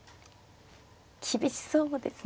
厳しそうですね。